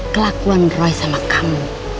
kelakuan roy sama kamu